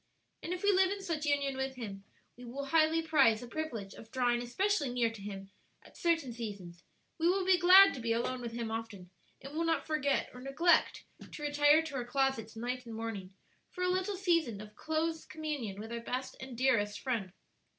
"And if we live in such union with Him we will highly prize the privilege of drawing especially near to Him at certain seasons; we will be glad to be alone with Him often, and will not forget or neglect to retire to our closets night and morning for a little season of close communion with our best and dearest Friend.